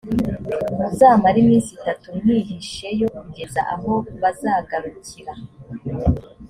muzamare iminsi itatu mwihisheyo kugeza aho bazagarukira